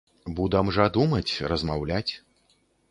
Будам жа думаць, размаўляць.